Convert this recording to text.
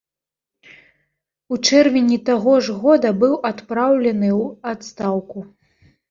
У чэрвені таго ж года быў адпраўлены ў адстаўку.